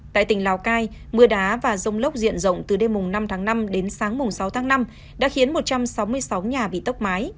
tại tỉnh lào cai mưa đá và rông lốc diện rộng từ đêm năm tháng năm đến sáng sáu tháng năm đã khiến một trăm sáu mươi sáu nhà bị tốc mái